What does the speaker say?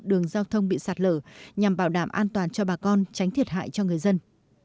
đường giao thông bị sạt lở nhằm bảo đảm an toàn cho bà con tránh thiệt hại cho người dân